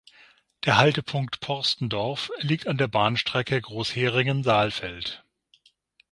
Der Haltepunkt "Porstendorf" liegt an der Bahnstrecke Großheringen–Saalfeld.